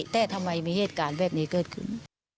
แต่ทำไมมีเหตุการณ์แบบนี้เกิดขึ้น